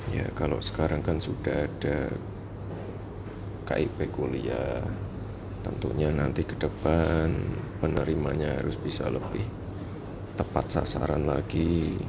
ya kalau sekarang kan sudah ada kip kuliah tentunya nanti ke depan penerimanya harus bisa lebih tepat sasaran lagi